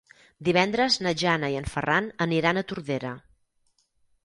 Divendres na Jana i en Ferran aniran a Tordera.